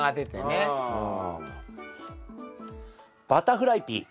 バタフライピー。